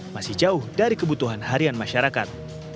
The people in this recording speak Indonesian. masih jauh dari kebutuhan harian masyarakat